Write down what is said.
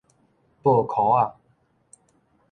報箍仔